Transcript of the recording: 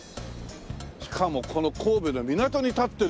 しかもこの神戸の港に建ってる。